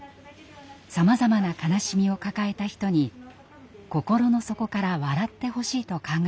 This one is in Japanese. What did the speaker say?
さまざまな悲しみを抱えた人に心の底から笑ってほしいと考えたのです。